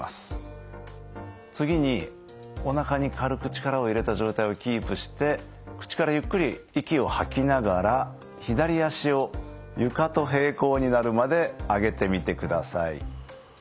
次におなかに軽く力を入れた状態をキープして口からゆっくり息を吐きながら左足を床と並行になるまで上げてみてください。